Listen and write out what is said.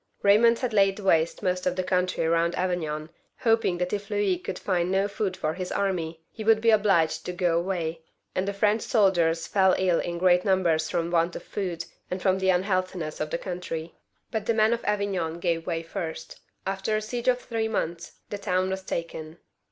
Baymond had laid waste most of the country round Avignon, hoping that if Louis could find no food for his army, he would be obliged to go away ; and the French soldiers fell ill in great num bers from want of food and from the unhealthiness of the country. But the men of Avignon gave way first. After a siege of three months, the town was taken.